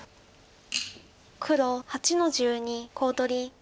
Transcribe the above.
黒８の十二コウ取り。